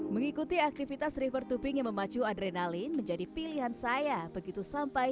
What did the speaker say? mengikuti aktivitas river tubing yang memacu adrenalin menjadi pilihan saya begitu sampai